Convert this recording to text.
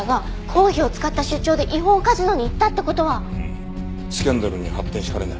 スキャンダルに発展しかねない。